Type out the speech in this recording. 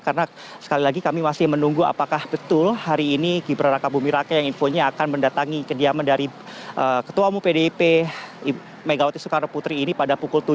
karena sekali lagi kami masih menunggu apakah betul hari ini gibran raka buming raka yang infonya akan mendatangi kediaman dari ketua umum pdip megawati soekarno putri ini pada pukul tujuh